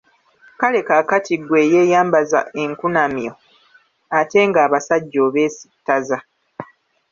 Kale kaakati ggwe eyeeyambaza enkunamyo, ate nga abasajja obeesittaza!